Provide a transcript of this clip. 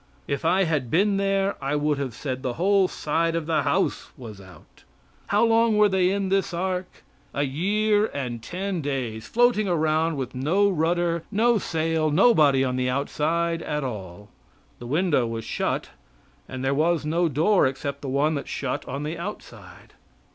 If I had been there I would have said the whole side of the house was out. How long were they in this ark? A year and ten days, floating around with no rudder, no sail, nobody on the outside at all. The window was shut, and there was no door, except the one that shut on the outside.